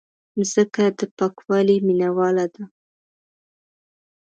مځکه د پاکوالي مینواله ده.